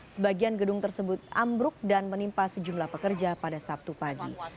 sebagian gedung tersebut ambruk dan menimpa sejumlah pekerja pada sabtu pagi